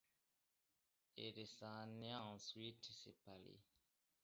Elle s'en est ensuite séparée.